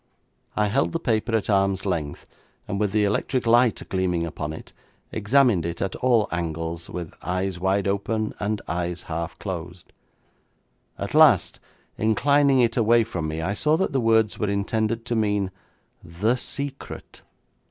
I held the paper at arm's length, and with the electric light gleaming upon it, examined it at all angles, with eyes wide open, and eyes half closed. At last, inclining it away from me, I saw that the words were intended to mean, 'The Secret'.